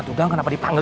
bukit ke tirau